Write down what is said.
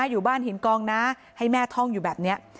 อยู่บ้านหินกองนะให้แม่ท่องอยู่แบบนี้